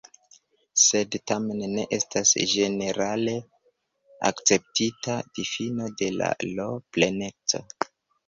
Sed tamen ne estas ĝenerale akceptita difino de L-pleneco.